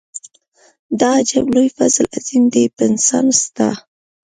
دا عجب لوی فضل عظيم دی په انسان ستا.